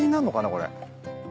これ。